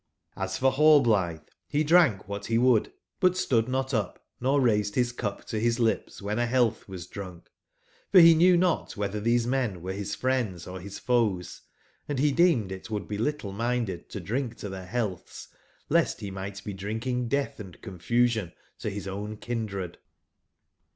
Hs for nallblithe, he drank what he would, but stood not up, nor raised his cup to his lips when a health was drunk; for he i knew not whether these men were his friends or his •^foes, andhe deemed itwould be little/minded todrink Ito their healths, lest he might be drinking death and confusion to his own kindred.